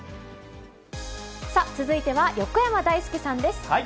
さあ、続いては横山だいすけさんです。